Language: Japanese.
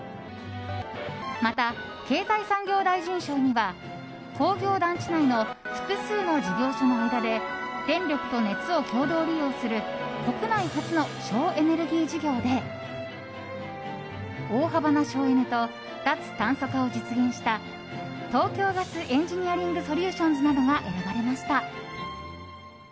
また経済産業大臣賞には工業団地内の複数の事業所の間で電力と熱を共同利用する国内初の省エネルギー事業で大幅な省エネと脱炭素化を実現した東京ガスエンジニアリングソリューションズなどが選ばれました。